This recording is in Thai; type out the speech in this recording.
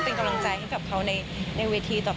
เป็นกำลังใจให้กับเขาในเวทีต่อไป